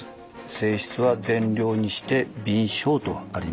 「性質は善良にして敏捷」とあります。